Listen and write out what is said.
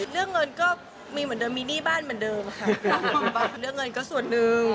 เรื่องเงินก็มีเหมือนเดิมมีหนี้บ้านเหมือนเดิมค่ะเรื่องเงินก็ส่วนหนึ่ง